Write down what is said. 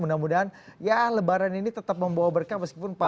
mudah mudahan ya lebaran ini tetap membawa berkah meskipun pak